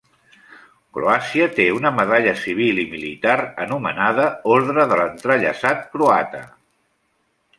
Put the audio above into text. Croàcia té una medalla civil i militar anomenada Ordre de l'entrellaçat croata.